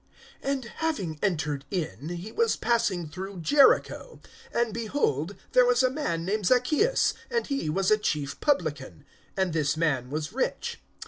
AND having entered in, he was passing through Jericho. (2)And behold, there was a man named Zaccheus, and he was a chief publican; and this man was rich.